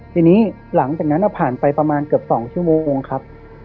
ทีนี้หลังจากนั้นผ่านไปประมาณเกือบ๒ชั่วโมงเองครับ